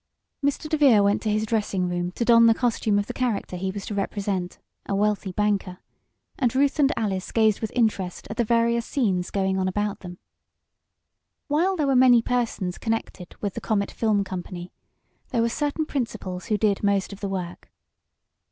Mr. DeVere went to his dressing room to don the costume of the character he was to represent a wealthy banker and Ruth and Alice gazed with interest at the various scenes going on about them. While there were many persons connected with the Comet Film Company, there were certain principals who did most of the work.